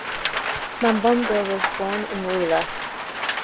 Mamboundou was born in Mouila.